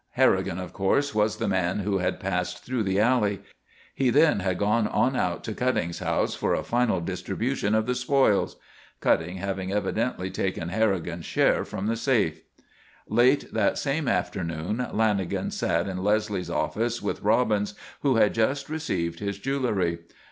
Harrigan, of course, was the man who had passed through the alley. He then had gone on out to Cutting's house, for a final distribution of the spoils, Cutting having evidently taken Harrigan's share from the safe. Late that same afternoon Lanagan sat in Leslie's office with Robbins, who had just received his jewelry.